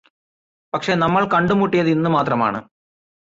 പക്ഷേ നമ്മള് കണ്ടുമുട്ടിയത് ഇന്നുമാത്രമാണ്